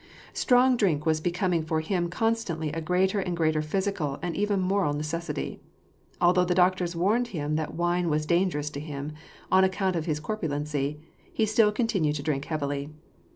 Strong drink was becoming for him constantly a greater and greater physical, and even moral, necessity. Although the doc tors warned him that wine was dangerous to him, on account of his corpulency, he still continued to drink heavily.